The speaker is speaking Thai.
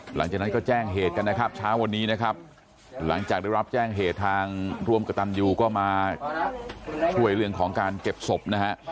หลังจากนั้นก็แจ้งเหตุกันนะครับเช้าวันนี้นะครับหลังจากได้รับแจ้งเหตุทางร่วมกับตันยูก็มาช่วยเรื่องของการเก็บศพนะฮะ